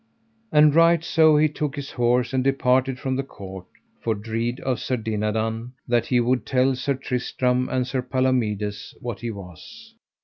And right so he took his horse and departed from the court for dread of Sir Dinadan, that he would tell Sir Tristram and Sir Palomides what he was.